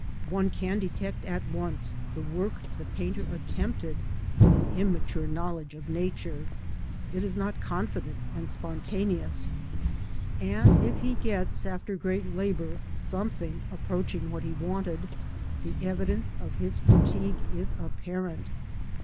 One can detect at once the work the painter attempted with an immature knowledge of Nature ; it is not confident and spontaneous, and if he gets, after great labour, something approach ing what he wanted, the evidence of his fatigue is apparent.